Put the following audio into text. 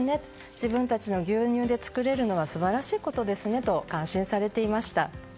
自分たちの牛乳で作れるのは素晴らしいことですねと感心されていました。